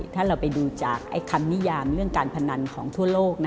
ถ้าเราไปดูจากคำนิยามเรื่องการพนันของทั่วโลก